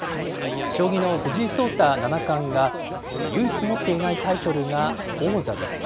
将棋の藤井聡太七冠が、唯一持っていないタイトルが王座です。